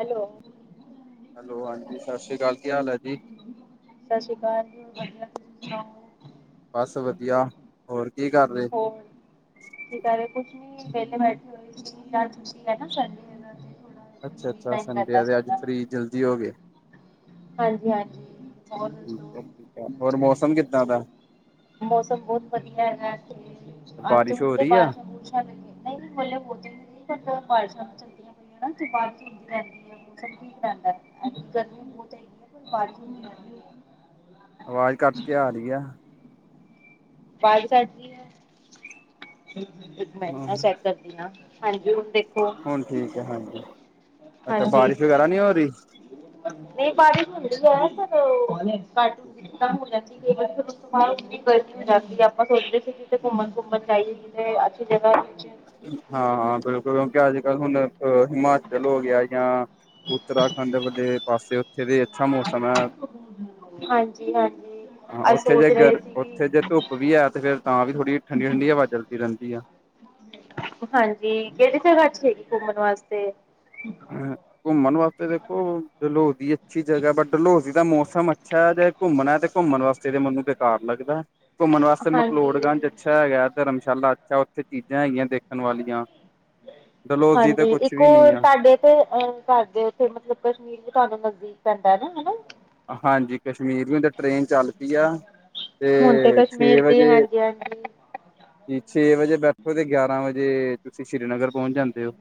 Hello hello ਹਾਂਜੀ ਸਤਿ ਸ੍ਰੀ ਅਕਾਲ ਕੀ ਹਾਲ ਹੈ ਜੀ। ਸਤਿ ਸ੍ਰੀ ਅਕਾਲ ਜੀ ਹੋਰ ਵਧੀਆ, ਤੁਸੀਂ ਸੁਣਾਓ। ਬਸ ਵਧੀਆ ਹੋਰ ਕੀ ਕਰਦੇ। ਹੋਰ ਕੀ ਕਰ ਰਏ ਸੀ ਕੁਛ ਨੀ ਵਿਹਲੇ ਬੈਠ [unintelligible] ਅੱਛਾ-ਅੱਛਾ ਸੰਡੇ ਆ ਦੇ ਅੱਜ ਫਰੀ ਜਲਦੀ ਹੋ ਗਏ। ਹਾਂਜੀ-ਹਾਂਜੀ ਹੋਰ ਠੀਕ ਹੈ ਠੀਕ ਹੈ। ਹੋਰ ਮੌਸਮ ਕਿੱਦਾਂ ਦਾ ਮੌਸਮ ਬੋਤ ਵਧੀਆ ਹੈਗਾ ਇਥੇ ਬਾਰਿਸ਼ ਹੁਣ ਹੋ ਤੇ ਰਹੀ ਆ ਬਾਰਸ਼ਾਂ [inaudible] ਤੇ ਬਾਰਿਸ਼ ਹੁੰਦੀ ਰੈਂਦੀ ਹੈ ਮੌਸਮ ਠੀਕ ਰੈਂਦਾ ਗਰਮੀ [inaudible] ਆਵਾਜ਼ ਕੱਟ ਕੇ ਆ ਰਈ ਆ। ਵਾਜ ਕੱਟਦੀ ਰਈ ਹਾਂ ਮੈਂ ਸੈਟ ਕਰ ਹਾਂਜੀ ਹੁਣ ਦੇਖੋ। ਹੁਣ ਠੀਕ ਹੈ ਹਾਂਜੀ ਅੱਛਾ ਬਾਰਿਸ਼ ਵਗੈਰਾ ਨਈ ਹੋ ਰਈ। ਨਈ ਬਾਰਿਸ਼ ਹੁੰਦੀ ਤੇ ਹੈ ਪਰ ਘੱਟ [inaudible] ਜਾਂਦੀ ਆਪਾਂ ਸੋਚਦੇ ਸੀ ਕਿਥੇ ਘੁੰਮਣ-ਘੁੰਮਣ ਜਾਈਏ ਕਿੇ ਅੱਛੀ ਜਗਾ 'ਚ ਹਾਂ-ਹਾਂ ਬਿਲਕੁਲ ਕਿਉਂਕਿ ਅੱਜ ਕੱਲ੍ਹ ਹੁਣ ਹਿਮਾਚਲ ਹੋ ਗਿਆ ਜਾਂ ਉੱਤਰਾਖੰਡ ਵਲੇ ਪਾਸੇ ਉੱਥੇ ਵੀ ਅੱਛਾ ਮੌਸਮ ਹੈ। ਹਾਂਜੀ ਹਾਂਜੀ ਹਾਂ ਅੱਜ ਉੱਥੇ ਜੇ ਸੋਚ ਰਏ ਗਰ ਸੀ। ਉੱਥੇ ਜੇ ਧੁੱਪ ਵੀ ਹੈ ਤੇ ਫਿਰ ਤਾਂ ਵੀ ਥੋੜ੍ਹੀ ਠੰਡੀ-ਠੰਡੀ ਹਵਾ ਚਲਦੀ ਰੈਂਦੀ ਆ। ਹਾਂਜੀ, ਕਿਹੜੀ ਜਗ੍ਹਾ ਅੱਛੀ ਘੁੰਮਣ ਵਾਸਤੇ। ਘੁੰਮਣ ਵਾਸਤੇ ਦੇਖੋ ਡਲਹੌਜ਼ੀ ਅੱਛੀ ਜਗਾ ਬਟ ਡਲਹੋਜੀ ਦਾ ਮੌਸਮ ਅੱਛਾ ਐ ਜੇ ਘੁੰਮਣਾ ਤੇ ਘੁੰਮਣ ਵਾਸਤੇ ਤੇ ਮੈਨੂੰ ਬੇਕਾਰ ਲੱਗਦਾ ਘੁੰਮਣ ਵਾਸਤੇ ਹਾਂਜੀ ਮਕਲੋਡਗਂਜ ਅੱਛਾ ਹੈਗਾ, ਧਰਮਸ਼ਾਲਾ ਅੱਛਾ ਉੱਥੇ ਚੀਜ਼ਾਂ ਹੈਗੀਆਂ ਦੇਖ ਤੇ ਹਾਂਜੀ ਕੁਛ ਇੱਕ ਵੀ ਓ ਨੀ ਆ ਤਾਡੇ ਤੇ ਅਹ ਘਰਦੇ ਉੱਥੇ ਮਤਲਬ ਕਸ਼ਮੀਰ ਵੀ ਤੁਆਨੂੰ ਨਜ਼ਦੀਕ ਪੈਂਦਾ, ਹਨਾਂ? ਹਾਂਜੀ ਕਸ਼ਮੀਰ ਵੀ ਟ੍ਰੇਨ ਚੱਲ ਪੀ ਆ ਹੁਣ ਤੇ ਛੇ ਕਸ਼ਮੀਰ ਦੀ ਵਜੇ ਹਾਂਜੀ ਹਾਂਜੀ ਛੇ ਵਜੇ ਬੈਠੋ ਤੇ ਗਿਆਰਾਂ ਵਜੇ ਤੁਸੀਂ ਸ੍ਰੀਨਗਰ ਪਹੁੰਚ ਜਾਂਦੇ ਓ।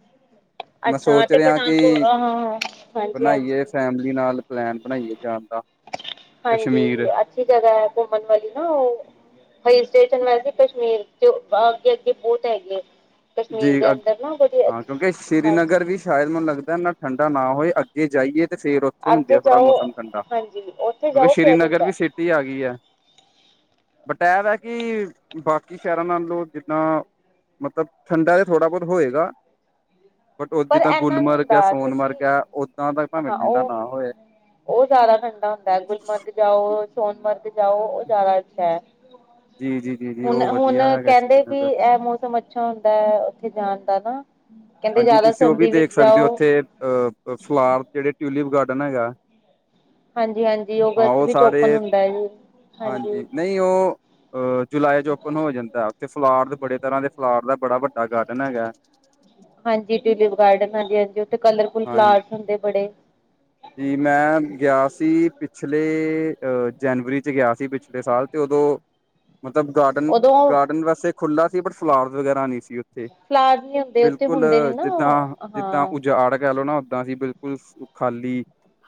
ਮੈਂ ਅੱਛਾ ਸੋਚ ਤੇ ਰਿਹਾ ਪਠਾਨਕੋਟ ਕਿ ਹਾਂ ਹਾਂ ਹਾਂਜੀ ਹਾਂਜੀ ਬਣਾਈਏ ਫੈਮਲੀ ਨਾਲ ਪਲੈਨ ਬਣਾਈਏ ਜਾਣ ਦਾ। ਹਾਂਜੀ ਕਸ਼ਮੀਰ ਅੱਛੀ ਜਗ੍ਹਾ ਐ ਘੁੰਮਣ ਵਾਲੀ ਨਾ ਉਹ ਹਿੱਲ ਸਟੇਸ਼ਨ ਵੈਸੇ ਕਸ਼ਮੀਰ ਚ ਬ ਅੱਗੇ-ਅੱਗੇ ਬੋਤ ਹੈਗੇ। ਕਸ਼ਮੀਰ ਜੀ ਦੇ ਅੰਦਰ ਨਾ ਵੜੀ ਹਾਂ ਅੱਛੀ ਕਿਉਂਕਿ ਹਾਂਜੀ। ਸ਼੍ਰੀਨਗਰ ਵੀ ਸ਼ਾਇਦ ਮੈਨੂੰ ਲੱਗਦਾ ਨਾ ਠੰਡਾ ਨਾ ਹੋਏ, ਅੱਗੇ ਜਾਈਏ ਤੇ ਫੇਰ ਓ ਥੇ ਹੁੰਦੀ ਅੱਗੇ ਆ ਥੋੜਾ ਜਾਓ ਮੌਸਮ ਠੰਡਾ ਹਾਂਜੀ ਉੱਥੇ ਕਿਉਂਕਿ ਜਾਓ ਫੇਰ ਸ੍ਰੀਨਗਰ ਹੁੰਦਾ ਵੀ ਸਿਟੀ ਆ ਗਈ ਐ। ਬਟ ਐ ਵੈ ਕਿ ਬਾਕੀ ਸ਼ਹਿਰਾਂ ਨਾਲੋਂ ਜਿੱਦਾਂ ਮਤਲਬ ਠੰਡਾ ਏ ਥੋੜਾ ਬੋਤ ਹੋਏਗਾ। ਬਟ ਉਹ ਪਰ ਜਿੱਦਾਂ ਇਨਾ ਨਹੀਂ ਗੁਲਮਰਗ ਐ, ਹੁੰਦਾ ਤੁਸੀਂ ਸੋਨਮਰਗ ਐ, ਓਦਾਂ ਦਾ ਭਾਵੇਂ ਹਾਂ ਠੰਡਾ ਉਹ ਨਾ ਹੋਏ। ਉਹ ਜ਼ਿਆਦਾ ਠੰਡਾ ਹੁੰਦਾ, ਗੁਲਮਰਗ ਜਾਓ, ਸੋਨਮਰਗ ਜਾਓ, ਉਹ ਜ਼ਿਆਦਾ ਅੱਛਾ ਐ। ਜੀ ਜੀ ਜੀ ਜੀ ਹੁਣ ਉਹ ਹੁਣ ਵਧੀਆ ਹੈਗਾ ਕੈਂਦੇ ਕਿ ਸ਼੍ਰੀਨਗਰ ਇਹ ਮੌਸਮ ਅਛ ਅੱਛਾ ਹੁੰਦਾ ਐ ਉੱਥੇ ਜਾਣ ਦਾ ਨਾ, ਕੈਂਦੇ ਹਾਂਜੀ ਜ਼ਿਆਦਾ ਤੁਸੀਂ ਉਹ ਵੀ ਸਰਦੀ ਵਿੱਚ ਦੇਖ ਸਕਦੇ ਜਾਓ ਉੱਥੇ ਅਹ ਫਲਾਰ ਜਿਹੜੇ ਟਿਊਲਿਪ ਗਾਰਡਨ ਹੈਗਾ। ਹਾਂਜੀ ਹਾਂਜੀ, ਹਾਂ ਅਗਸਤ ਉਹ ਵਿੱਚ ਓਪਨ ਹੁੰਦਾ ਐ ਜੀ, ਹਾਂਜੀ। ਨਈਂ ਓ ਅ ਜੁਲਾਈ ਚ ਓਪਨ ਹੋ ਜਾਂਦਾ ਉਥੇ ਫਲਾਰ ਬੜੇ ਤਰ੍ਹਾਂ ਦੇ, ਫਲਾਰ ਦਾ ਬੜਾ ਵੱਡਾ ਗਾਰਡਨ ਹੈਗਾ। ਹਾਂਜੀ ਟਿਊਲਿਪ ਗਾਰਡਨ ਹਾਂਜੀ, ਹਾਂਜੀ ਉੱਥੇ ਕਲਰਫੁਲ ਫਲਾਰਸ ਹੁੰਦੇ ਬੜੇ ਜੀ ਮੈਂ ਗਿਆ ਸੀ ਪਿਛਲੇ ਅਹ ਜਨਵਰੀ ਚ ਗਿਆ ਸੀ ਪਿਛਲੇ ਸਾਲ ਤੇ ਉਦੋਂ ਮਤਲਬ ਗਾਰਡਨ ਉਦੋਂ ਗਾਰਡਨ ਵੈਸੇ ਖੁੱਲ੍ਹਾ ਸੀ ਬਟ ਫਲਾਰ ਵਗੈਰਾ ਨਈਂ ਸੀ ਉੱਥੇ ਫਲਾਰ ਨੀ ਹੁੰਦੇ ਉੱਥੇ ਬਿਲਕੁਲ ਹੁੰਦੇ ਨੇ ਨਾ ਜਿੱਦਾਂ, ਜਿੱਦਾਂ ਹਾਂ ਉਜਾੜ ਕਹਿ ਲੋ ਨਾ ਉਦਾਂ ਸੀ ਬਿਲਕੁਲ ਖਾਲੀ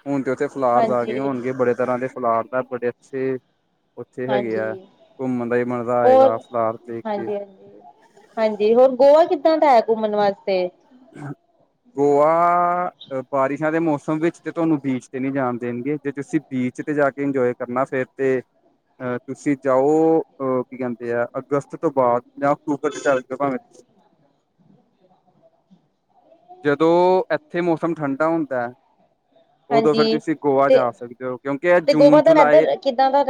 ਹੁਣ ਤੇ ਉੱਥੇ ਫਲਾਰਸ ਆ ਗਏ ਹਾਂਜੀ ਹੋਣਗੇ, ਬੜੇ ਤਰ੍ਹਾਂ ਦੇ ਫੁਲਾਰ ਦਾ ਬੜੇ ਅੱਛੇ ਉੱਥੇ ਹੈਗੇ ਆ ਹਾਂਜੀ ਘੁੰਮਣ ਦਾ ਵੀ ਮਜਾ ਹੋਰ ਆਏਗਾ ਫਲਾਰ ਦੇਖ ਕੇ। ਹਾਂਜੀ ਹਾਂਜੀ ਹਾਂਜੀ ਹੋਰ ਗੋਆ ਕਿੱਦਾਂ ਦਾ ਐ ਘੁੰਮਣ ਵਾਸਤੇ? ਹਾਂ। ਗੋਆ, ਬਾਰਿਸ਼ਾਂ ਦੇ ਮੌਸਮ ਵਿੱਚ ਤੇ ਤੁਆਨੂੰ ਬੀਚ ਤੇ ਨਈਂ ਜਾਣ ਦੇਣਗੇ ਜੇ ਤੁਸੀਂ ਬੀਚ ਵਿੱਚ ਤੇ ਜਾ ਕੇ ਇੰਜੋਏ ਕਰਨਾ ਫੇਰ ਤੇ ਅ ਤੁਸੀਂ ਜਾਓ ਅ ਕੀ ਕੈਂਦੇ ਆ ਅਗਸਤ ਤੋਂ ਬਾਅਦ ਜਾਂ ਅਕਤੂਬਰ ਦੇ ਚੱਲ ਜੋ ਭਾਵੇਂ। ਜਦੋਂ ਇੱਥੇ ਮੌਸਮ ਠੰਡਾ ਹੁੰਦਾ ਐ। ਉਦੋਂ ਫਿਰ ਹਾਂਜੀ ਤੁਸੀਂ ਗੋਆ ਤੇ ਜਾ ਸਕਦੇ ਹੋ ਕਿਉਂਕਿ ਏ ਤੇ ਗੋਆ ਜੂਨ ਦਾ ਜੁਲਾਈ ਵੈਦਰ ਕਿੱਦਾਂ ਦਾ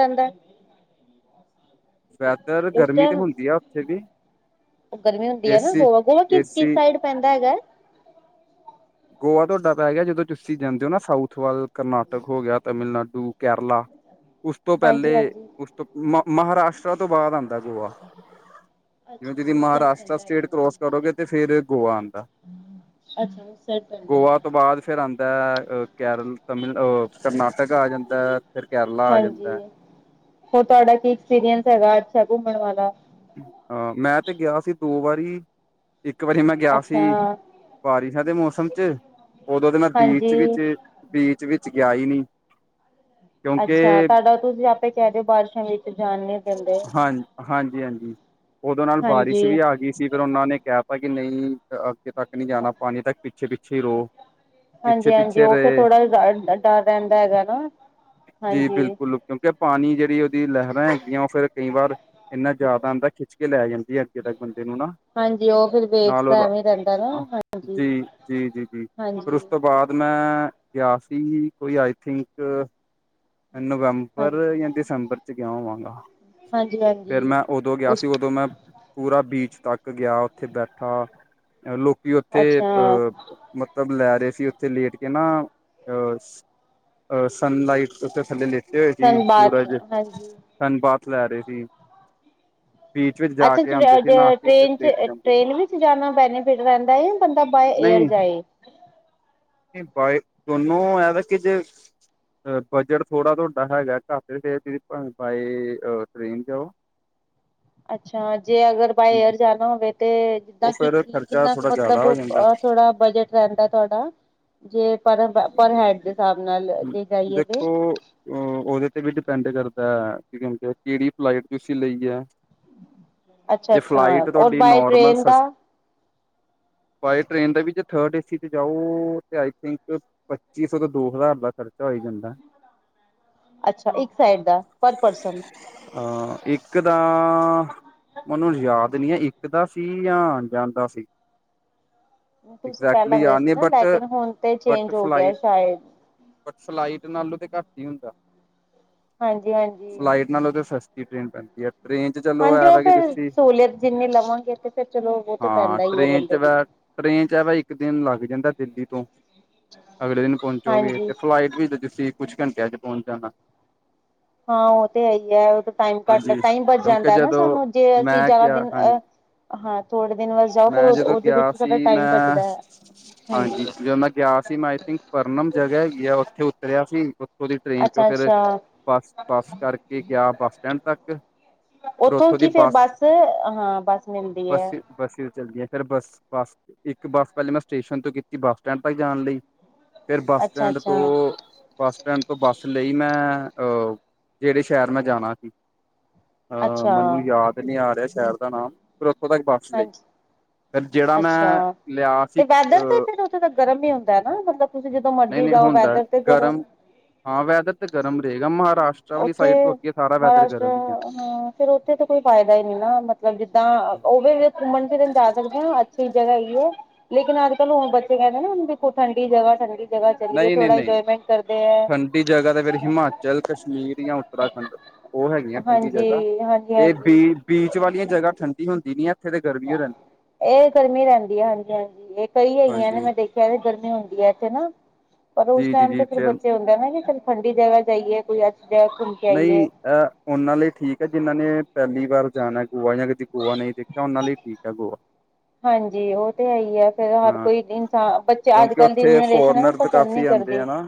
[inaudible] ਵੈਦਰ ਉਸ ਗਰਮੀ ਤੇ ਟਾਈਮ ਹੁੰਦੀ ਆ ਉੱਥੇ ਵੀ ਗਰਮੀ ਹੁੰਦੀ ਐ ਨਾ ਏਸੀ ਗੋਆ ਗੋਆ ਕਿਸ? ਕਿਸ ਏਸੀ ਸਾਈਡ ਪੈਂਦਾ ਹੈਗਾ। ਗੋਆ ਤੁਆਡਾ ਪੈ ਗਿਆ ਜਦੋਂ ਤੁਸੀਂ ਜਾਂਦੇ ਓ ਨਾ ਸਾਊਥ ਵੱਲ, ਕਰਨਾਟਕ ਹੋ ਗਿਆ, ਤਾਮਿਲਨਾਡੂ, ਕੇਰਲਾ ਉਸ ਤੋਂ ਪੈਲੇ ਹਾਂਜੀ ਹਾਂਜੀ ਉਸ ਤੋਂ ਮਹਾ ਮਹਾਰਾਸ਼ਟ [unintelligible] ਤੋਂ ਬਾਅਦ ਆਂਦਾ ਗੋਆ। ਅੱਛਾ ਜਿਵੇਂ ਦੀ ਉਸ ਸਾਈਡ ਮਹਾਰਾਸ਼ ਪੈਂਦਾ ਸਟੇਟ ਕਰੋਸ ਹੈਗਾ ਕਰੋਗੇ ਤੇ ਫੇਰ ਗੋਆ ਆਦਾ। ਅੱਛਾ, ਸਾਈਡ ਪੈਂਦਾ ਗੋਆ ਹੈਗਾ ਤੋਂ ਬਾਅਦ ਫਿਰ ਆਦਾ ਅ ਕੇਰਲ ਤਮਿਲਹ ਕਰਨਾਟਕ ਆ ਜਾਂਦਾ। ਫਿਰ ਕੇਰਲਾ ਆ ਜਾਂਦਾ ਹਾਂਜੀ ਹੋਰ ਤੁਹਾਡਾ ਕੀ ਐਕਸਪੀਰੀਅੰਸ ਹੈਗਾ ਅੱਛਾ ਘੁੰਮਣ ਵਾਲਾ, ਹਾਂ ਮੈਂ ਤੇ ਗਿਆ ਸੀ ਦੋ ਵਾਰੀ, ਇੱਕ ਵਾਰੀ ਮੈਂ ਗਿਆ ਅੱਛਾ ਸੀ, ਬਾਰਿਸ਼ਾਂ ਦੇ ਮੌਸਮ ਚ ਉਦੋਂ ਦੇ ਮੈਂ ਬੀਚ ਹਾਂਜੀ ਵਿੱਚ ਤੇ ਬੀਚ ਵਿੱਚ ਗਿਆ ਈ ਨੀ, ਅੱਛਾ ਤੁਹਾਡਾ ਤੁਸੀਂ ਆਪੇ ਕਹਿਦੇਓ ਬਾਰਿਸ਼ਾਂ ਵਿੱਚ ਜਾਨ ਨੀ ਦਿੰਦੇ। ਹਾਂ ਹਾਂਜੀ ਹਾਂਜੀ ਉਦੋਂ ਨਾਲ ਬਾਰਿਸ਼ ਹਾਂਜੀ ਵੀ ਆ ਗਈ ਸੀ ਫਿਰ ਉਹਨਾਂ ਨੇ ਕੇਤਾ ਕਿ ਨੀ। ਤੱਕ ਨੀ ਜਾਣਾ ਪਾਣੀ ਤੱਕ ਪਿੱਛੇ ਪਿੱਛੇ ਈ ਰੋ। ਹਾਂਜੀ ਹਾਂਜੀ ਉਹ ਫੇਰ ਥੋੜਾ ਡਰ ਰਹਿੰਦਾ ਹੈਗਾ ਨਾ ਜੀ ਹਾਂਜੀ। ਬਿਲਕੁਲ ਕਿਉਂਕਿ ਪਾਣੀ ਜਿਹੜੀ ਉਹਦੀ ਲਹਿਰਾਂ ਹੈਗੀਆਂ ਉਹ ਫਿਰ ਕਈ ਵਾਰ ਇੰਨਾਂ ਜ਼ਿਆਦਾ ਆਦਾ ਖਿੱਚ ਕੇ ਲੈ ਜਾਂਦੀ ਐ ਅੱਗੇ ਤੱਕ ਬੰਦੇ ਨੂੰ ਨਾ। ਹਾਂਜੀ ਉਹ ਫਿਰ ਵੇਵਸ ਨਾਲ ਦਾ ਉਹਦਾ, ਐਵੇਂ ਰਹਿੰਦਾ ਨਾ ਹਾਂਜੀ ਜੀ ਜੀ ਜੀ ਜੀ ਫਿਰ ਹਾਂਜੀ ਉਸ ਤੋਂ ਬਾਅਦ ਜਦੋਂ ਮੈਂ ਗਿਆ ਸੀ ਕੋਈ ਆਈ ਥਿੰਕ ਨਵੰਬਰ ਹਾਂਜੀ ਜਾਂ ਦਸੰਬਰ ਚ ਗਿਆ ਹੋਵਾਂਗਾ। ਹਾਂਜੀ ਫੇਰ ਹਾਂਜੀ ਮੈਂ ਉਦੋਂ ਗਿਆ ਸੀ ਉਸ ਉਦੋਂ ਮੈਂ ਪੂਰਾ ਬੀਚ ਤੱਕ ਗਿਆ ਉੱਥੇ ਬੈਠਾ, ਲੋਕੀ ਉੱਥੇ ਅੱਛਾ ਅਹ ਮਤਲਬ ਲੈ ਰਹੇ ਸੀ ਉੱਥੇ ਲੇਟ ਕੇ ਨਾ ਅਹ ਸਨ ਲਈਟ ਤੋਂ ਥੱਲੇ ਲੇਟੇ ਹੋਏ ਸੀ, ਧਨਬਾਦ ਸੂਰਜ ਹਾਂਜੀ। ਧਨ ਪਾਥ ਲੈ ਰੇ ਸੀ। ਬੀਚ ਵਿੱਚ ਜਾ ਅੱਛਾ ਕੇ ਆਉਂਦੇ ਸੀ ਨਹਾ ਕੇ ਫਿਰ ਟ੍ਰੇਨ ਚ ਲੇਟ ਜਾਂਦੇ ਸੀ ਟ੍ਰੇਨ ਵਿੱਚ ਜਾਣਾ ਬੈਨੀਫਿਟ ਰਹਿੰਦਾ ਐ ਜਾਂ ਬੰਦਾ ਬਾਏ ਏਅਰ ਜਾਏ। ਬਏ ਦੋਨੂੰ ਇਹਦਾ ਕਿ ਜੇ ਅ ਬਜਟ ਥੋੜ੍ਹਾ ਤੁਹਾਡਾ ਹੈਗਾ ਘੱਟ ਚਾਹੇ ਤੁਸੀ ਬਾਏ ਟਰੇਨ ਜਾਓ। ਅੱਛਾ ਜੇ ਅਗਰ ਬਾਏ ਏਅਰ ਜਾਣਾ ਹੋਵੇ ਤੇ? ਜਿੱਦਾਂ ਉਹ ਕਿ ਫੇਰ ਖਰਚਾ ਕਿੰਨਾ ਕੁ ਥੋੜਾ ਜ਼ਿਆਦਾ ਮਤਲਬ ਹੋ ਜਾਂਦਾ ਅ ਥੋੜਾ ਬਜਟ। ਰਹਿੰਦਾ ਤੁਹਾਡਾ, ਜੇ ਪਰ ਹੈਡ ਦੇ ਹਿਸਾਬ ਨਾਲ ਜੇ ਜਾਈਏ ਤੇ ਉਹ ਉਹਦੇ ਤੇ ਵੀ ਡਿਪੈਂਡ ਕਰਦਾ ਕੀ ਕਿਹੜੀ ਫਲਾਈਟ ਤੁਸੀਂ ਲਈ ਐ। ਅੱਛਾ ਜੇ ਅੱਛਾ ਫਲਾਈਟ ਔਰ ਤੁਹਾਡੀ ਬਾਏ ਨੋਰਮਲ ਟ੍ਰੇਨ ਦਾ ਸਸ ਬਾਏ ਟ੍ਰੇਨ ਦਾ ਵੀ ਜੇ ਥਰਡ ਏ ਸੀ ਤੇ ਜਾਓ ਤੇ ਆਈ ਥਿੰਕ ਪੱਚੀ ਸੌ ਤੇ ਦੋ ਹਜ਼ਾਰ ਦਾ ਖਰਚਾ ਹੋ ਈ ਜਾਂਦਾ। ਅੱਛਾ ਇੱਕ ਸਾਈਡ ਦਾ ਪਰ ਪਰਸ ਹਾਂ ਇੱਕ ਤਾਂ ਮੈਨੂੰ ਯਾਦ ਨਹੀਂ ਹੈ ਇੱਕ ਦਾ ਸੀ ਜਾਂ ਆ ਜਾਂਦਾ ਸੀ। ਤੁਸੀਂ ਪਹਿਲਾਂ ਐਗਜੈਕਟਲੀ ਗਏ ਯਾਦ ਸੀ ਨਹੀਂ ਨਾ ਬਟ ਲੇਕਿਨ ਹੁਣ ਤੇ ਬਟ ਚੇਂਜ ਹੋ ਗਿਆ ਫਲਾਈਟ ਸ਼ਾਇਦ। ਫਲਾਈਟ ਨਾਲੋਂ ਤੇ ਘੱਟ ਈ ਹੁੰਦਾ ਹਾਂਜੀ ਹਾਂਜੀ ਫਲਾਈਟ ਨਾਲੋਂ ਤੇ ਸਸਤਾ ਟ੍ਰੇਨ ਪੈਂਦੀ ਐ ਟ੍ਰਰੇਨ- ਚ ਚਲੋ ਹਾਂਜੀ ਉਹ ਫੇਰ ਸਹੂਲੀਅਤ ਜਿੰਨੀ ਲਵਾਂਗੇ ਤੇ ਫਿਰ ਚਲੋ ਉਹ ਤੇ ਪੈਂਦਾ ਹੀ ਹੈ ਬੰਦੇ ਨੂੰ। ਟਰੇੇਨ ਚ ਆ ਵੀ ਇੱਕ ਦਿਨ ਲੱਗ ਜਾਂਦਾ ਦਿੱਲੀ ਤੋਂ। ਅਗਲੇ ਦਿਨ ਪਹੁੰਚੋਗੇ ਹਾਂਜੀ ਤੇ ਫਲਾਈਟ ਵੀ ਤੁਸੀਂ ਕੁਛ ਘੰਟਿਆਂ ਚ ਪਹੁੰਚ ਜਾਣਾ। ਹਾਂ ਉਹ ਤੇ ਹੈ ਈ ਐ ਉਹ ਟਾਈਮ ਘੱਟ ਲ ਹਾਂਜੀ ਤਾਂ ਹੀ ਬਚ ਕਿਉਂਕਿ ਜਾਂਦਾ ਨਾ ਜਦੋਂ ਸਾਨੂੰ ਜੇ ਅਸੀਂ ਮੈਂ ਜ਼ਿਆਦਾ ਗਿਆ ਦਿਨ ਹਾਂਜੀ ਹਾਂ ਥੋੜੇ ਦਿਨ ਬਾਸ ਜਾਓ ਮੈਂ ਫੇਰ ਜਦੋਂ ਉਹਦੇ ਵਿੱਚ ਗਿਆ ਸਾਡਾ ਸੀ ਟਾਈਮ ਮੈਂ ਬਚਦਾ ਐ ਹਾਂਜੀ। ਜਦੋਂ ਮੈਂ ਗਿਆ ਸੀ ਮੈਂ ਆਈ ਥਿੰਕ ਪਰਨਮ ਜਗ੍ਹਾ ਹੈਗੀ ਆ ਉੱਥੇ ਉਤਰਿਆ ਸੀ। ਉਥੋਂ ਦੀ ਟ੍ਰੇਨ ਚੋਂ ਅੱਛਾ ਫਿਰ, ਅੱਛਾ ਬੱਸ ਬੱਸ ਕਰਕੇ ਗਿਆ ਬੱਸ ਸਟੈਂਡ ਤੱਕ। ਉੱਥੋਂ ਕੀ ਫੇਰ ਬੱਸ ਹਾਂ ਬੱਸ ਮਿਲਦੀ ਐ। ਬੱਸ ਚੱਲਦੀਆਂ ਫੇਿਰ ਬੱਸ ਬੱਸ ਇੱਕ ਬੱਸ ਪਹਿਲੇ ਮੈਂ ਸਟੇਸ਼ਨ ਤੋਂ ਕੀਤੀ ਬੱਸ ਸਟੈਂਡ ਤੱਕ ਜਾਣ ਲਈ। ਫਿਰ ਬੱਸ ਅੱਛਾ ਸਟੈਂਡ ਅੱਛਾ ਤੋਂ ਬੱਸ ਤੋਂ ਬੱਸ ਲਈ ਮੈਂ ਅਹ ਜਿਹੜੇ ਸ਼ਹਿਰ ਮੈਂ ਜਾਣਾ ਸੀ। ਅਹ ਅੱਛਾ ਮੈਨੂੰ ਯਾਦ ਨਹੀਂ ਆ ਰਿਹਾ ਸ਼ਹਿਰ ਦਾ ਨਾਮ ਫਿਰ ਉੱਥੋਂ ਤੱਕ ਬਸ ਲਈ। ਹਾਂਜੀ ਫ ਜਿਹੜਾ ਮੈਂ ਅੱਛਾ ਲਿਆ ਸੀ ਤੇ ਵੈਦਰ ਤੇ ਅਹ। ਫਿਰ ਉੱਥੇ ਤਾਂ ਗਰਮ ਹੀ ਹੁੰਦਾ ਹੈ ਨਾ ਮਤਲਬ ਤੁਸੀਂ ਜਦੋਂ ਨਹੀਂ ਮਰਜ਼ੀ ਨਹੀਂ ਜਾਓ ਹੁੰਦਾ ਵੈਦਰ ਤੇ ਗਰਮ ਹਾਂ ਵੈਦਰ ਤਾਂ ਗਰਮ ਰਹੇਗਾ ਮਹਾਰਾਸ਼ਟਰ। ਵਾਲੀ ਉੱਥੇ ਸਾਈਡ ਤੋਂ ਅੱਗੇ ਸਾਰਾ ਵੈਦਰ ਮਹਾਰਾਸ਼ਰਾ ਗਰਮ ਹੀ ਆ ਅ ਫਿਰ ਉੱਥੇ ਤਾਂ ਕੋਈ ਫਾਇਦਾ ਹੀ ਨੀ ਨਾ ਮਤਲਬ ਜਿੱਦਾਂ ਉਹਵੇ ਘੁੰਮਣ ਫਿਰਨ ਜਾ ਸਕਦੇ ਹਾਂ ਅੱਛੀ ਜਗ੍ਹਾ ਹੈਗੀ ਹੈ। ਲੇਕਿਨ ਅੱਜ ਕੱਲ੍ਹ ਹੁਣ ਬੱਚੇ ਕਹਿੰਦੇ ਨਾ ਦੇਖੋ ਠੰਡੀ ਜਗ੍ਹਾ ਠੰਡੀ। ਜਗ੍ਹਾ ਚਲੀਏ ਨਹੀਂ ਨਹੀਂ ਥੋੜਾ ਨਹੀਂ ਇੰਜੋਏਮੈਂਟ ਕਰਦੇ ਹੈ। ਠੰਡੀ ਜ੍ਹਾ ਤੇ ਫਿਰ ਹਿਮਾਚਲ ਕਸ਼ਮੀਰ ਜਾਂ ਉਤਰਾ ਖੰਡ ਉਹ ਹੈਗੀਆਂ ਠੰਡੀ ਜਗ੍ਹਾ ਹਾਂਜੀ ਹਾਂਜੀ ਇਹ ਹਾਂਜੀ ਬੀ ਬੀਚ ਵਾਲੀਆਂ ਜਗ੍ਹਾ ਠੰਡੀ ਹੁੰਦੀ ਨੀ ਹੈ। ਇਹ ਗਰਮੀ ਰਹਿੰਦੀ ਹੈ ਹਾਂਜੀ ਹਾਂਜੀ ਇਹ ਕਈ ਹੈਗੀਆਂ ਨੇ ਹਾਂਜੀ ਮੈਂ ਦੇਖ ਚਾਏ ਗਰਮੀ ਹੁੰਦੀ ਹੈ ਇੱਥੇ ਨਾਈ ਪਰ ਉਸ ਜੀ ਜੀ ਟਾਈਮ ਜੀ ਤੇ ਫਿਰ ਬੱਚੇ ਹ ਨਾ ਕਿ ਠੰਡੀ ਜਗਾ ਜਾਈਏ ਕੋਈ ਅੱਛੀ ਜਗਾ ਘੁੰ ਨਹੀਂ ਐ ਉਹਨਾਂ ਲਈ ਠੀਕ ਹੈ ਜਿਹਨਾਂ ਨੇ ਪੈਲੀ ਵਾਰ ਜਾਣਾ ਗੋਆ ਜਾਂ ਕਦੀ ਗੋਆ ਨਹੀਂ ਦੇਖਿਆ ਉਹਨਾਂ ਲਈ ਠੀਕ ਹੈ ਗੋਆ ਹਾਂਜੀ ਉਹ ਤੇ ਹੈ ਹੀ ਆ ਫੇਰ ਹਰ ਹਾਂ ਕੋਈ ਇਨਸਾਨ ਬੱਚੇ ਅੱਜ ਕੱਲ੍ਹ ਦੀ ਜਨਰੇਸ਼ਨ ਹੈ ਨਾ ਪਸੰਦ ਨਹੀਂ ਕਾਫੀ ਆਂਦੇ ਕਰਦੀ ਆ ਨਾ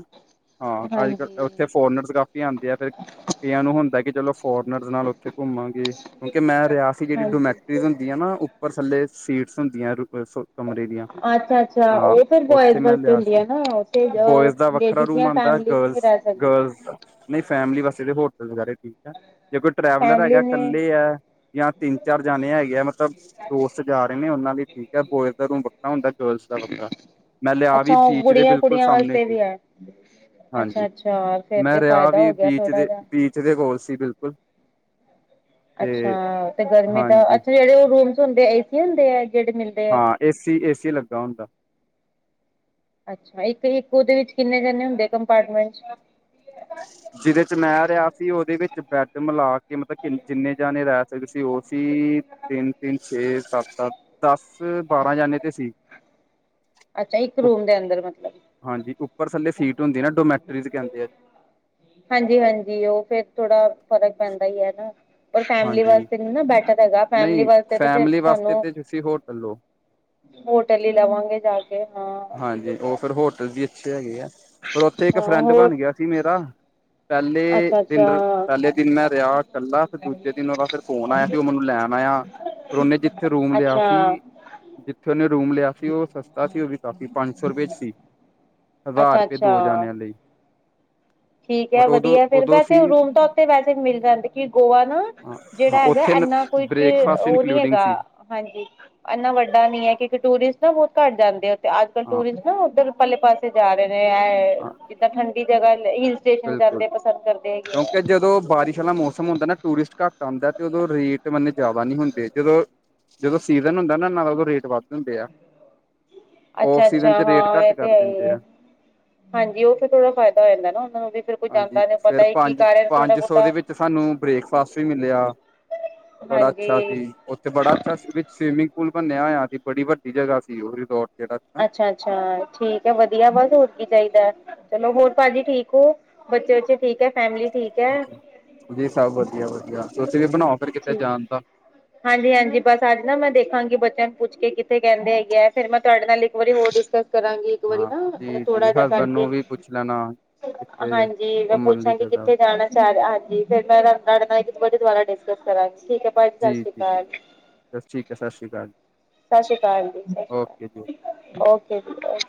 ਹਾਂ ਅੱਜ ਕੱਲ ਹਾਂਜੀ ਉੱਥੇ ਫੋਰਨਰ ਸ ਕਾਫੀ ਜਾਂਦੇ ਆ ਫਿਰ ਕਈਆਂ ਨੂੰ ਹੁੰਦਾ ਕਿ ਚਲੋ ਫੋਰਨਰਜ਼ ਨਾਲ ਉੱਥੇ ਘੁੰਮਾਂਗੇ ਕਿਉਂਕਿ ਮੈਂ ਰਿਆਸੀ ਜਿਹੜੀ ਹਾਂਜੀ ਡੋਮੈਟਰੀੁੰ ਦੀਆਂ ਨਾ ਉੱਪਰ ਥੱਲੇ ਸੀਟਸ ਹੁੰਦੀਆਂ ਕਮਰੇ ਦੀਆਂ ਅੱਛਾ ਅੱਛਾ ਹਾਂ ਉਹ ਫਿਰ ਬੋਇਜ਼ ਉੱਥੇ ਮੈਂ ਵਾਸਤੇ ਲਿਆ ਹੁੰਦੀ ਸੀ ਹੈ ਨਾ ਉੱਥੇ ਬੋਇਜ਼ ਦਾ ਵੱਖਰਾ ਲੇਡੀਜ਼ ਰੂਮ ਦੀਆਂ ਆਉਂਦਾ ਫੈਮਲੀ ਗਰਲ ਨਹੀਂ ਰਹਿ ਸਕਦੀ ਗਰਲਜ਼ ਨਹੀਂ ਫੈਮਲੀ ਵਾਸਤੇ ਹੋਟਲ ਵਗੈ ਠੀਕ ਹੈ ਜੇ ਕੋਈ ਟਰੈਵਲਰ ਹੈਗਾ ਫੈਮਲੀ ਨੇ ਇਕੱਲੇ ਹੈ ਜਾਂ ਤਿੰਨ ਚਾਰ ਜਾਣੇ ਹੈਗੇ ਹੈ ਮਤਲਬ ਦੋਸਤ ਜਾ ਰਹੇ ਨੇ ਉਹਨਾਂ ਲਈ ਠੀਕ ਹੈ ਬੋਇਜ਼ ਦਾ ਰੂਮ ਵੱਖਰਾ ਹੁੰਦਾ ਗਰਲਜ਼ ਦਾ ਵੱਖਰਾ ਮੈਂ ਲਿਆ ਵੀ ਅੱਛਾ ਉਹ ਬੀਚ ਦੇ ਕੁੜੀਆਂ ਬਿਲਕੁਲ ਕੁੜੀਆਂ ਸਾਮਣੇ ਸੀ ਹਾਂਜੀ ਚਾਰ ਫਰ ਦਰਿਆ ਵੀ ਬੀਚ ਦੇ ਬੀਚ ਦੇ ਕੋਲ ਸੀ ਬਿਲਕੁਲ ਅੱਛਾ ਤੇ ਤੇ ਗਰਮੀ ਤਾਂ ਹਾਂਜੀ ਅੱਛਾ ਜਿਹੜੇ ਉਹ ਰੂਮਸ ਹੁੰਦੇ ਏ ਸੀ ਹੁੰਦੇ ਆ ਜਿਹੜੇ ਮਿਲ ਹਾਂ ਏਸੀ ਏਸੀ ਲੱਗਾ ਹੁੰਦਾ ਅੱਛਾ ਇੱਕ ਇੱਕ ਉਹਦੇ ਵਿੱਚ ਕਿੰਨੇ ਜਣੇ ਹੁੰਦੇ ਕੰਪਾਰਟਮੈਂਟ ਜਿਹਦੇ ਚ ਮੈਂ ਰਿਹਾ ਸੀ ਉਹਦੇ ਵਿੱਚ ਬੈਡ ਮਿਲਾ ਕੇ ਮਤਲਬ ਕਿੰਨ ਜਿੰਨੇ ਜਾਣੇ ਰਹਿ ਸਕਦੇ ਸੀ ਉਹ ਸੀ ਤਿੰਨ ਤਿੰਨ ਛੇ ਸੱਤ ਸੱਤ ਦਸ ਬਾਰਾਂ ਜਾਣੇ ਤੇ ਸੀ ਅੱਛਾ ਇੱਕ ਰੂਮ ਦੇ ਅੰਦਰ ਮਤਲਬ ਹਾਂਜੀ ਉੱਪਰ ਥੱਲੇ ਸੀਟ ਹੁੰਦੀ ਨਾ ਡੋਮੈਟਰੀਜ਼ ਕਹਿੰਦੇ ਆ ਹਾਂਜੀ ਹਾਂਜੀ ਉਹ ਫੇਰ ਥੋੜਾ ਫ਼ਰਕ ਪੈਂਦਾ ਹੀ ਹਨਾ ਪਰ ਫੈਮਿਲੀ ਹਾਂਜੀ ਵਾਸਤੇ ਨਾ ਬੈਟਰ ਹੈਗਾ ਫੈਮਲੀ ਨਹੀਂ ਵਾਸਤੇ ਤੇ ਫੇਿਰ ਫੈਮਿਲੀ ਵਾਸਤੇ ਸਾਨੂੰ ਤੇ ਤੁਸੀਂ ਹੋਟਲ ਲਓ ਹੋਟਲ ਹੀ ਲਵਾਂਗੇ ਜਾ ਕੇ ਹਾਂ ਹਾਂਜੀ ਠੀਕ ਉਹ ਹੈ ਫਿਰ ਹੋਟਲ ਵੀ ਅੱਛੇ ਹੈਗੇ ਆ ਫਿਰ ਉੱਥੇ ਇੱਕ ਹਾਂ ਫਰੈਂਡ ਹੋਰ ਬਣ ਗਿਆ ਸੀ ਮੇਰਾ ਪੈਲੇ ਡਿਨਰ ਅੱਛਾ-ਅੱਛਾ, ਪਹਿਲੇ ਦਿਨ ਮੈਂ ਰਿਹਾ ਇਕੱਲਾ ਫਿਰ ਦੂਜੇ ਦਿਨ ਉਹਦਾ ਫਿਰ ਫ਼ੋਨ ਆਇਆ ਸੀ ਉਹ ਮੈਨੂੰ ਲੈਣ ਆਇਆ ਫ ਉਹਨੇ ਜਿੱਥੇ ਰੂਮ ਲਿਆ ਅੱਛਾ, ਸੀ ਜਿੱਥੇ ਉਹਨੇ ਰੂਮ ਲਿਆ ਸੀ ਓ ਸਸਤਾ ਸੀ ਓ ਵੀ ਕਾਫੀ ਪੰਜ ਸੌ ਰੁਪਏ 'ਚ ਸੀ। ਹਜ਼ਾਰ ਰੁਪਏ ਅੱਛਾ-ਅੱਛਾ ਦੋ ਜਾਣਿਆਂ ਲਈ ਠੀਕ ਹੈ ਬਟ ਉਦੋਂ ਵਧੀਆ ਫਿਰ ਉਦੋਂ ਵੈਸੇ ਸੀ ਰੂਮ ਤਾਂ ਉੱਥੇ ਵੈਸੇ ਮਿਲ ਜਾਂਦੇ ਕਿ ਗੋਆ ਨਾ ਹਾਂ ਜੇੜਾ ਹੈਗਾ ਉੱਥੇ ਇੰਨਾ ਕੁਝ ਬ੍ਰੇਕਫਾਸਟ ਓ ਨਈ ਇਨਕਲੂਡਿੰਗ ਹੈਗਾ। ਸੀ ਹਾਂਜੀ ਇੰਨਾ ਵੱਡਾ ਨੀ ਹੈ ਕਿਉਂਕਿ ਟੂਰਿਸਟ ਨਾ ਬੋਤ ਘੱਟ ਜਾਂਦੇ ਅੱਜ ਕੱਲ੍ਹ ਹਾਂ ਟੂਰਿਸਟ ਨਾ ਉੱਧਰ ਪਰਲੇ ਪਾਸੇ ਜਾ ਰਏ ਨੇ ਐ ਹਾਂ ਜਿੱਦਾਂ ਠੰਡੀ ਜਗ੍ਹਾ ਲਈ ਬਿਲਕੁਲ ਕਿਉਂਕਿ ਜਦੋਂ ਬਾਰਿਸ਼ ਆਲਾ ਮੌਸਮ ਮੌਸਮ ਹੁੰਦਾ ਨਾ ਟੂਰਿਸਟ ਘੱਟ ਆਉਂਦਾ ਤੇ ਉਦੋਂ ਰੇਟ ਮਤਨੇ ਜਾਦਾ ਨਈ ਹੁੰਦੇ ਜਦੋਂ-ਜਦੋਂ ਸੀਜ਼ਨ ਹੁੰਦਾ ਨਾ ਨਾਲ ਉ ਰੇਟ ਵੱਧ ਹੁੰਦੇ ਆ ਔਫ ਅੱਛਾ ਸੀਜਨ ਅੱਛਾ 'ਚ ਰੇਟ ਹਾਂ ਘੱਟ ਇਹ ਤੇ ਕਰ ਹੈ ਹੀ ਦਿੰਦੇ ਹੈ ਆ। ਹਾਂਜੀ ਓ ਫਿਰ ਥੋੜਾ ਫਾਇਦਾ ਹੋ ਜਾਂਦਾ ਨਾ ਉਹਨਾਂ ਨੂੰ ਵੀ ਫਿਰ ਕੋਈ ਹਾਂਜੀ ਜਾਂਦਾ ਨੀ ਫਿਰ ਪਤਾ ਹੀ ਕੀ ਕਰ ਰਿਹਾ ਥੋੜਾ ਪੰਜ-ਪੰਜ ਸੌ ਦੇ ਬਹੁਤਾ ਵਿੱਚ ਸਾਨੂੰ ਬ੍ਰੇਕਫਾਸਟ ਵੀ ਮਿਲਿਆ। ਬੜਾ ਅੱਛਾ ਹਾਂਜੀ ਸੀ। ਉੱਥੇ ਬੜਾ ਅੱਛਾ ਵਿੱਚ ਸਵਿਮਿੰਗ ਪੂਲ ਬਣਿਆ ਹੋਇਆ ਸੀ ਬੜੀ ਵੱਡੀ ਜਗ੍ਹਾ ਸੀ ਓ ਰਿਜ਼ੋਰਟ ਜਿਹੜਾ ਸੀ ਨਾ। ਅੱਛਾ-ਅੱਛਾ ਠੀਕ ਹੈ ਵਧੀਆ ਬਸ ਹੋਰ ਕੀ ਚਾਹੀਦਾ। ਚਲੋ ਹੋਰ ਭਾਜੀ ਠੀਕ ਹੋ ਬੱਚੇ-ਬੱਚੇ ਠੀਕ ਹੈ ਫੈਮਿਲੀ ਜੀ ਸਭ ਵਧੀਆ-ਵਧੀਆ ਤੁਸੀਂ ਵੀ ਬਣਾਓ ਫਿਰ ਕਿਤੇ ਠੀਕ। ਜਾਣ ਦਾ ਹਾਂਜੀ-ਹਾਂਜੀ ਬਸ ਅੱਜ ਨਾ ਮੈਂ ਦੇਖਾਂਗੀ ਬੱਚਿਆਂ ਨੂੰ ਪੁੱਛ ਕੇ ਕਿੱਥੇ ਕੈਂਦੇ ਹੈਗੇ ਫਿਰ ਮੈਂ ਤੁਹਾਡੇ ਪੈਲੇ ਇੱਕ ਵਾਰੀ ਹੋਰ ਡਿਸਕਸ ਕਰਾਂਗੀ ਇੱਕ ਵਾਰੀ ਹਾਂ ਨਾ ਜੀ ਜੀ ਥੋੜਾ ਜਿਹਾ ਹਸਬੈਂਡ ਕਰਕੇ ਨੂੰ ਵੀ ਪੁੱਛ ਲੈਣਾ ਕਿੱਥੇ ਹਾਂਜੀ ਮੈਂ ਘੁੰਮਣ ਲਈ ਪੁੱਛਾਂਗੀ ਜਗ੍ਹਾ ਕਿੱਥੇ ਜਾਣਾ। ਹਾਂਜੀ ਫਿਰ ਮੈਂ ਤੁਹਾਡੇ ਨਾਲ ਇੱਕੇ ਦੁਬਾਰਾ ਡਿਸਕਸ ਕਰਾਂਗੀ ਠੀਕ ਹੈ। ਭਾਜੀ ਸਤਿ ਜੀ ਸ਼੍ਰੀ ਜੀ ਜੀ ਅਕਾਲ ਬਸ ਠੀਕ ਹੈ ਸਤਿ ਸ਼੍ਰੀ ਅਕਾਲ ਸਤਿ ਸ਼੍ਰੀ ਅਕਾਲ ਜੀ ਸਤਿ ਸ਼੍ਰੀ ਅਕਾਲ। ਓਕੇ ਜੀ। ਓਕੇ ਜੀ ਓਕੇ